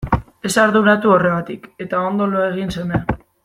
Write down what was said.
Ez arduratu horregatik eta ondo lo egin seme.